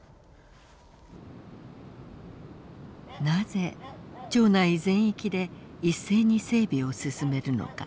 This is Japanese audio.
なぜ町内全域で一斉に整備を進めるのか。